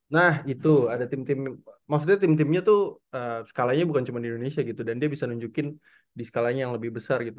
nah itu ada tim tim maksudnya tim timnya tuh skalanya bukan cuma di indonesia gitu dan dia bisa nunjukin di skalanya yang lebih besar gitu